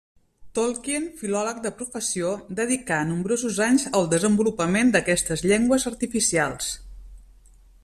Tolkien, filòleg de professió, dedicà nombrosos anys al desenvolupament d'aquestes llengües artificials.